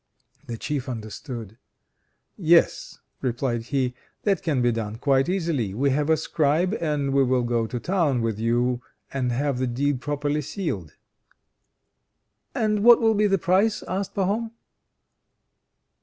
The Chief understood. "Yes," replied he, "that can be done quite easily. We have a scribe, and we will go to town with you and have the deed properly sealed." "And what will be the price?" asked Pahom.